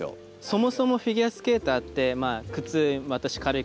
そもそもフィギュアスケーターってまあ